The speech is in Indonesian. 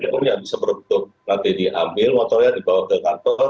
itu yang bisa berhubung nanti diambil motornya dibawa ke kantor